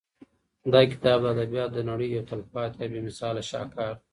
دا کتاب د ادبیاتو د نړۍ یو تلپاتې او بې مثاله شاهکار دی.